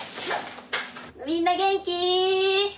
みんな元気？